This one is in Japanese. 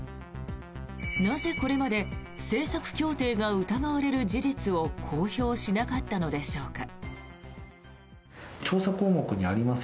なぜ、これまで政策協定が疑われる事実を公表しなかったのでしょうか。